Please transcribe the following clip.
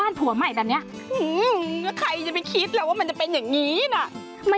หน่วยโอ๊ยนี่เป็นแวนกรรมอะไรของฉันเนี่ย